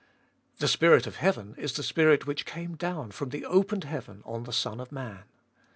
The Spirit of heaven is the Spirit which came down from the opened heaven on the Son of Man.